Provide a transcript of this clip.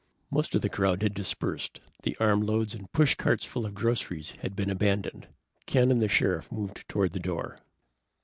Most of the crowd had dispersed. The armloads and pushcarts full of groceries had been abandoned. Ken and the Sheriff moved toward the door.